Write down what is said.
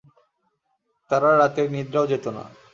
তারা রাতে নিদ্রাও যেত না।